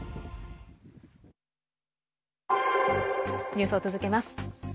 ニュースを続けます。